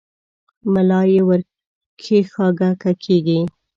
ملا یې ور کښېکاږه که کېږي؟